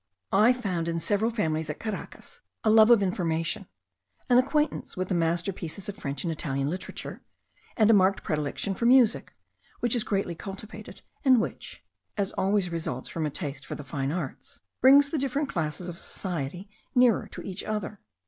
I found in several families at Caracas a love of information, an acquaintance with the masterpieces of French and Italian literature, and a marked predilection for music, which is greatly cultivated, and which (as always results from a taste for the fine arts) brings the different classes of society nearer to each other.